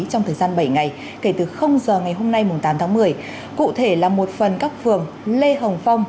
trong thời gian bảy ngày kể từ giờ ngày hôm nay tám tháng một mươi cụ thể là một phần các phường lê hồng phong